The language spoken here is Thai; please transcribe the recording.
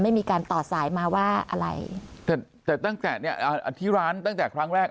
ไม่มีการต่อสายมาว่าอะไรแต่แต่ตั้งแต่เนี้ยอ่าอธิร้านตั้งแต่ครั้งแรก